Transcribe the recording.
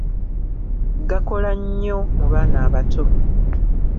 Gakola nnyo mu baana abato.